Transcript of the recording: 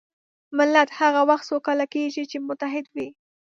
ملت هغه وخت سوکاله کېږي چې متحد وي.